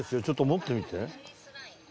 ちょっと持ってみて。